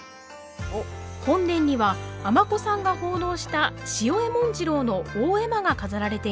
本殿には尼子さんが奉納した潮江文次郎の大絵馬が飾られています。